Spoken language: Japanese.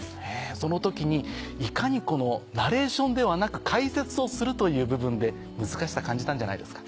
その時にいかにこのナレーションではなく解説をするという部分で難しさ感じたんじゃないですか？